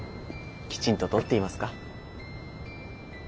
きちんととっていますか？